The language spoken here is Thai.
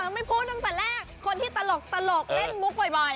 ไม่พูดตั้งแต่แรกคนที่ตลกเล่นมุกบ่อย